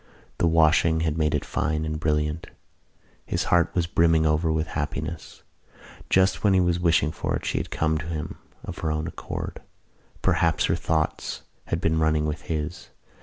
The washing had made it fine and brilliant. His heart was brimming over with happiness. Just when he was wishing for it she had come to him of her own accord. Perhaps her thoughts had been running with his.